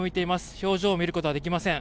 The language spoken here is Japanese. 表情を見ることはできません。